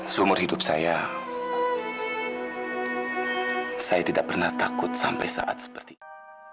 seumur hidup saya saya tidak pernah takut sampai saat seperti ini